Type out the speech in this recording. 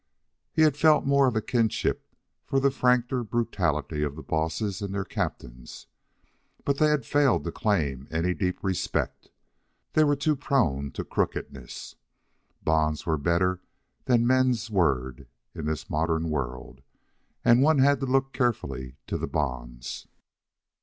He had felt more of kinship for the franker brutality of the bosses and their captains, but they had failed to claim any deep respect. They were too prone to crookedness. Bonds were better than men's word in this modern world, and one had to look carefully to the bonds.